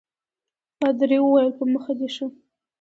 پادري وویل په مخه دي ښه.